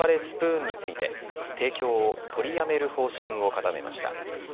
スプーンについて提供を取りやめる方針を固めました。